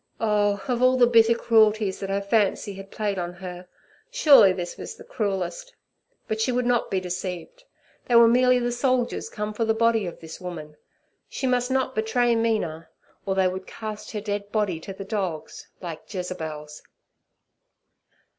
Oh, of all the bitter cruelties that her fancy had played on her, surely this was the cruellest! But she would not be deceived; they were merely the soldiers come for the body of this woman. She must not betray Mina, or they would cast her dead body to the dogs, like Jezebel's.